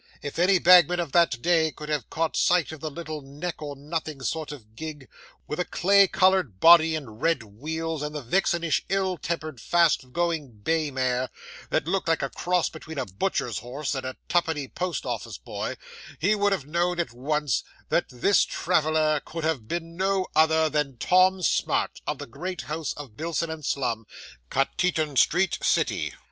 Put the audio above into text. If any bagman of that day could have caught sight of the little neck or nothing sort of gig, with a clay coloured body and red wheels, and the vixenish, ill tempered, fast going bay mare, that looked like a cross between a butcher's horse and a twopenny post office pony, he would have known at once, that this traveller could have been no other than Tom Smart, of the great house of Bilson and Slum, Cateaton Street, City.